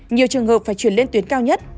nhiều trường hợp phải chuyển lên tuyến cao nhất